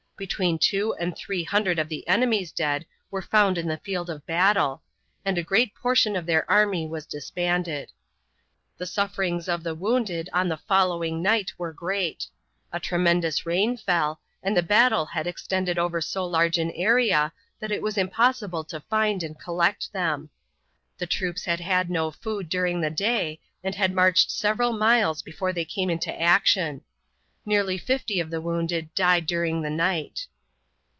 Between two and three hundred of the enemy's dead were found on the field of battle, and a great portion of their army was disbanded. The sufferings of the wounded on the following night were great. A tremendous rain fell, and the battle had extended over so large an area that it was impossible to find and collect them. The troops had had no food during the day and had marched several miles before they came into action. Nearly 50 of the wounded died during the night.